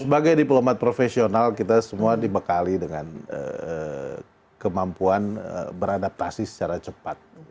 sebagai diplomat profesional kita semua dibekali dengan kemampuan beradaptasi secara cepat